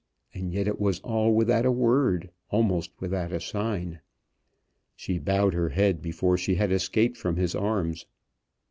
And yet it was all without a word, almost without a sign." She bowed her head before she had escaped from his arms.